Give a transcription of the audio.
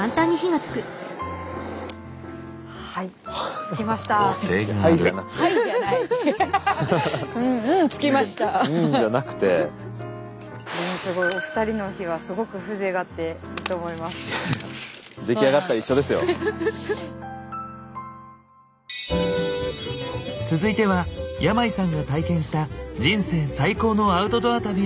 続いては山井さんが体験した人生最高のアウトドア旅へご案内。